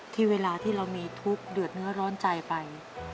ที่เวลาที่เรามีทุกข์เดือดเนื้อร้อนใจไป